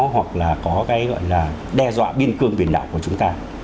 hoặc là có cái gọi là đe dọa biên cương biển đảo của chúng ta